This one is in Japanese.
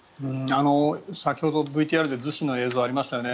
先ほどＶＴＲで逗子の映像がありましたよね。